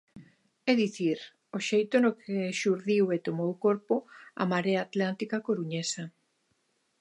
É dicir, ao xeito no que xurdiu e tomou corpo a Marea Atlántica coruñesa.